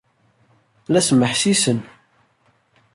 La smeḥsisen.